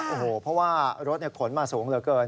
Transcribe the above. โอ้โหเพราะว่ารถขนมาสูงเหลือเกิน